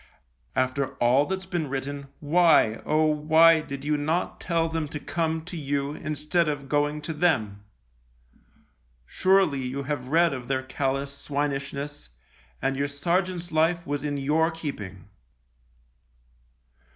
After all that's been written, why, oh ! why did you not tell them to come to you instead of going to them ? Surely you have read of their callous swinishness, and your sergeant's life was in your keeping